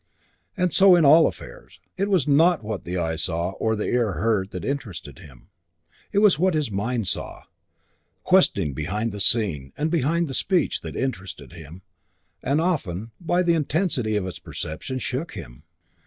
And so in all affairs: it was not what the eye saw or the ear heard that interested him; it was what his mind saw, questing behind the scene and behind the speech, that interested him, and often, by the intensity of its perception, shook him.